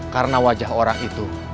karena wajah orang itu